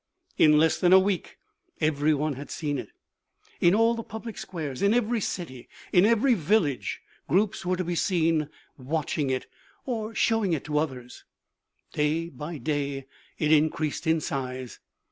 In less than a week every one had seen it. In all the public squares, in every city, in every village, groups were to be seen watching it, or showing it to others. Day by day it increased in size.